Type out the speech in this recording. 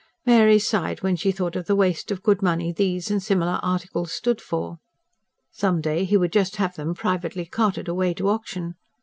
Mary sighed, when she thought of the waste of good money these and similar articles stood for. (Some day he would just have them privately carted away to auction!)